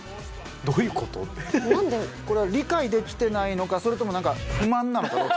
これは理解できてないのかそれともなんか不満なのかどっち。